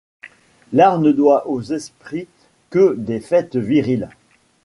L'art ne doit aux esprits que des fêtes viriles ;